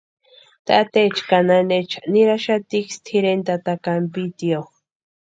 Tateecha ka nanecha niraxatiksï tʼireni tata kampitio.